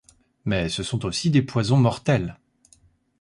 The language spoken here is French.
Mais ce sont aussi des poisons mortels.